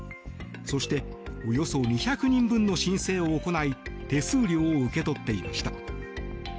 そしておよそ２００人分の申請を行い手数料を受け取っていました。